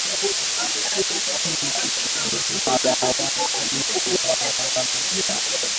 Tuki rime na dawa bintu abitakuya butamu